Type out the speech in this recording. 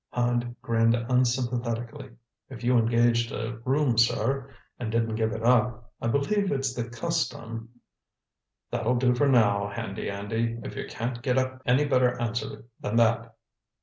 Hand grinned unsympathetically. "If you engaged a room, sir, and didn't give it up, I believe it's the custom " "That'll do for now, Handy Andy, if you can't get up any better answer than that.